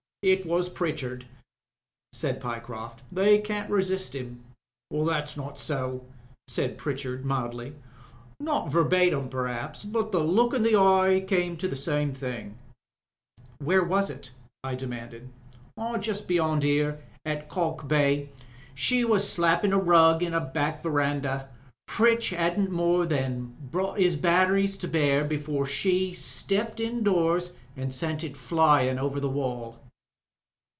"It was Pritchard," said Pyecroft. "They can't resist him." "That's not so," said Pritchard, mildly. "Not verbatim per'aps, but the look in the eye came to the same thing." " Where was it ?" I demanded. "Just on beyond here — at Kalk Bay. She was tiappin' tk rug in a back verandah. Pritch hadn't 316 TRAFFICS AND DISCOVERIES more than brought his batteries to bear, before she stepped indoors an' sent it flyin' over the wall."